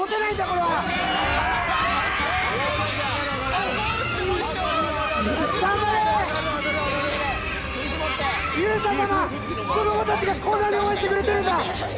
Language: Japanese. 子供たちがこんなに応援してくれてるんだ。